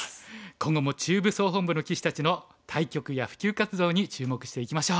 今後も中部総本部の棋士たちの対局や普及活動に注目していきましょう。